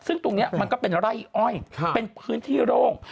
ซึ่งตรงนี้มันก็เป็นไร่อ้อยเป็นพื้นที่โร่ง